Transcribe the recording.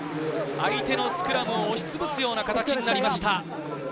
相手のスクラムを押しつぶすような形になりました。